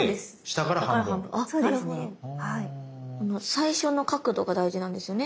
最初の角度が大事なんですよね